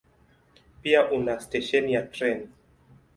Pia una stesheni ya treni.